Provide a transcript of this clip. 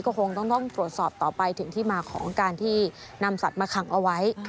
ก็คงต้องตรวจสอบต่อไปถึงที่มาของการที่นำสัตว์มาขังเอาไว้